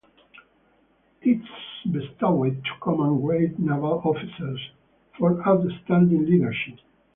It is bestowed to command grade naval officers for outstanding leadership.